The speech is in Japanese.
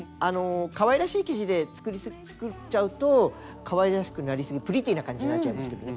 かわいらしい生地で作っちゃうとかわいらしくなりすぎるプリティーな感じになっちゃいますけどね。